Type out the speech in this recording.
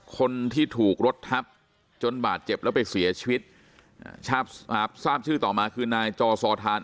คนที่ถูกรถทับจนบาดเจ็บแล้วไปเสียชีวิตทราบชื่อต่อมาคือนายจอซอทาน